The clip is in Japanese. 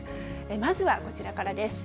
まずはこちらからです。